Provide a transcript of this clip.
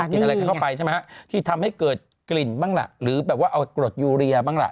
กินอะไรกันเข้าไปใช่ไหมฮะที่ทำให้เกิดกลิ่นบ้างล่ะหรือแบบว่าเอากรดยูเรียบ้างล่ะ